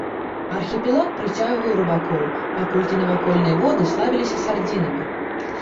Архіпелаг прыцягваў рыбакоў, паколькі навакольныя воды славіліся сардзінамі.